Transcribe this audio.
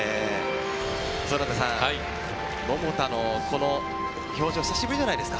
園田さん桃田のこの表情久しぶりじゃないですか？